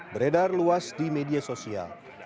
beredar luas di media sosial